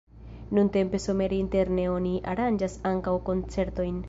Nuntempe somere interne oni aranĝas ankaŭ koncertojn.